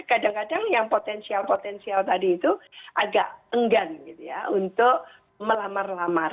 kadang kadang yang potensial potensial tadi itu agak enggan gitu ya untuk melamar lamar